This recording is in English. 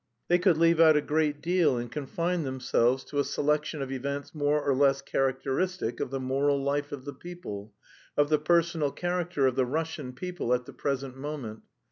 They could leave out a great deal and confine themselves to a selection of events more or less characteristic of the moral life of the people, of the personal character of the Russian people at the present moment.